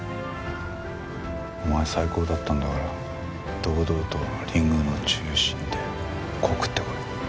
お前最高だったんだから堂々とリングの中心で告ってこい。